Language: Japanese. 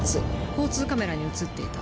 交通カメラに映っていた。